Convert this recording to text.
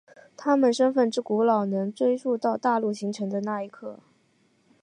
他们身份之古老能追溯到大陆形成的那一刻。